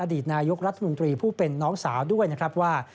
ดีตนายกรัฐมนตรีผู้เป็นน้องสาวด้วยนะครับว่า